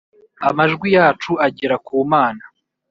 amajwi yacu agera ku mana